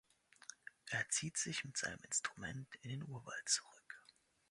Er zieht sich mit seinem Instrument in den Urwald zurück.